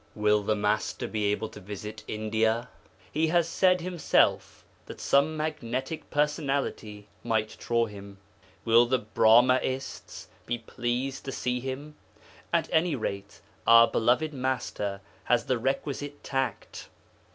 Will the Master be able to visit India? He has said Himself that some magnetic personality might draw Him. Will the Brahmaists be pleased to see Him? At any rate, our beloved Master has the requisite tact.